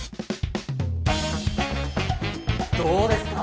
どうですか？